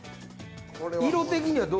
色的にはどう？